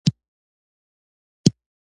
یوه زوروره شاهي غرمنۍ راکړه.